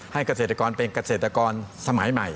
เกษตรกรเป็นเกษตรกรสมัยใหม่